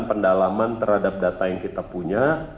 pendalaman terhadap data yang kita punya